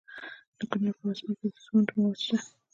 د کونړ په اسمار کې د سمنټو مواد شته.